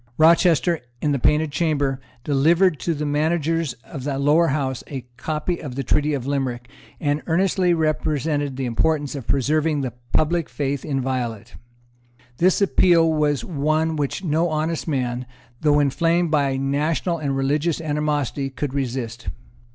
Rochester, in the Painted Chamber, delivered to the managers of the Lower House a copy of the Treaty of Limerick, and earnestly represented the importance of preserving the public faith inviolate. This appeal was one which no honest man, though inflamed by national and religious animosity, could resist.